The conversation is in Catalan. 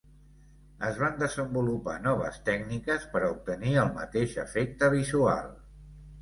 Es van desenvolupar noves tècniques per a obtenir el mateix efecte visual.